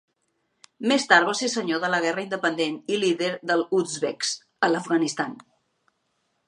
Més tard va ser senyor de la guerra independent i líder dels uzbeks a l'Afganistan.